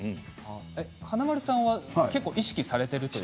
えっ華丸さんは結構意識されてるという。